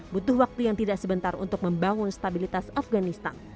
butuh waktu yang tidak sebentar untuk membangun stabilitas afganistan